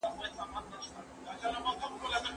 قرآن د باطلو لارو مخه نیسي.